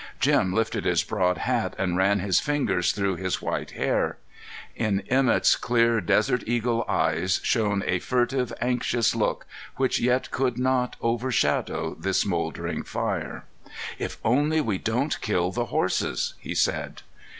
Jim lifted his broad hat and ran his fingers through his white hair. In Emett's clear desert eagle eyes shown a furtive, anxious look, which yet could not overshadow the smouldering fire. "If only we don't kill the horses!" he said.